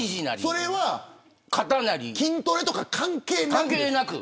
それは筋トレとか関係なく。